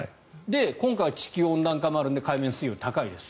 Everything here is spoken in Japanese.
今回は地球温暖化もあるので海面水温高いです。